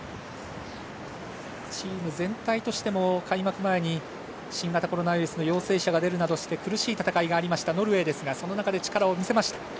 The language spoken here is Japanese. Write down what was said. チーム全体としても開幕前に新型コロナウイルスの陽性者が出るなどして苦しい戦いがありましたノルウェーですがその中で力を見せました。